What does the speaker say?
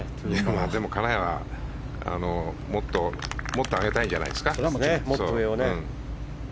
でも金谷はもっと上げたいんじゃないですか。